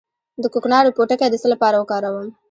د کوکنارو پوټکی د څه لپاره وکاروم؟